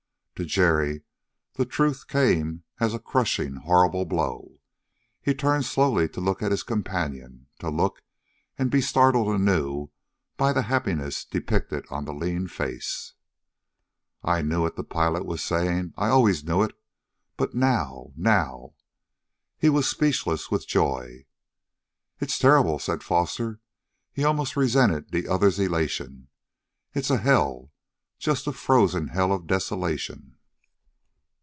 To Jerry the truth came as a crushing, a horrible blow. He turned slowly to look at his companion; to look and be startled anew by the happiness depicted on the lean face. "I knew it," the pilot was saying. "I always knew it. But now now...." He was speechless with joy. "It's terrible!" said Foster. He almost resented the other's elation. "It's a hell! Just a frozen hell of desolation."